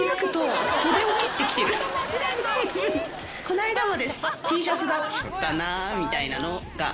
こないだまでＴシャツだったなみたいなのが。